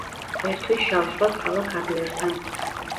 ერთვის შავ ზღვას ქალაქ ადლერთან.